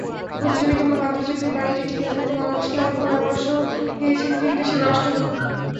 প্রতিযোগিতামূলক আন্তর্জাতিক বাণিজ্যে টিকে থাকতে বাংলাদেশকে এমন পরামর্শ দিয়েছেন তিন দেশের রাষ্ট্রদূত।